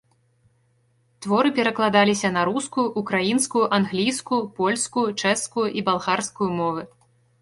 Творы перакладаліся на рускую, украінскую, англійскую, польскую, чэшскую і балгарскую мовы.